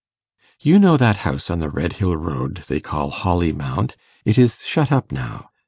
'You know that house on the Redhill road they call Holly Mount; it is shut up now.